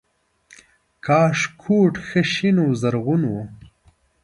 کاشکوټ ښه شین و زرغون و